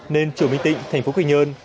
nên chủ minh tịnh tp quỳnh nhơn